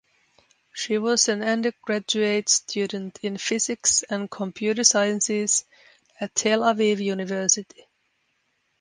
She was an undergraduate student in physics and computer sciences at Tel Aviv University.